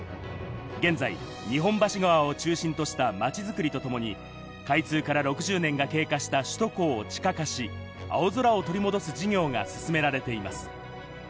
現在、日本橋川を中心とした街づくりとともに、開通から６０年が経過した首都高を地下化し、青空を取り戻す事業が進められています。